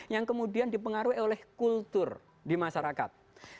yang kemudian dipengaruhi oleh kultur di masyarakat